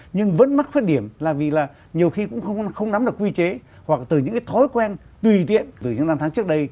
nhưng vẫn mắc khuyết điểm là vì là nhiều khi cũng không nắm được quy chế hoặc từ những cái thói quen tùy tiện từ những năm tháng trước đây